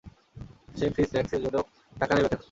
সে free স্ন্যাক্সের জন্য টাকা নেবে কেন?